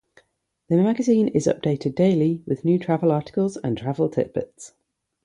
The magazine is updated daily with new travel articles and Travel Tidbits.